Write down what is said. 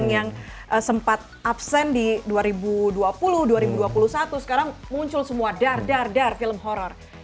yang sempat absen di dua ribu dua puluh dua ribu dua puluh satu sekarang muncul semua dar dar dar film horror